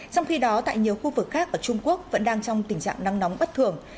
trong khi đó tại nhiều khu vực khác ở trung quốc vẫn đang trong tình trạng nắng nóng bất thường